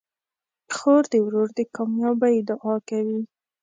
خور د ورور د کامیابۍ دعا کوي.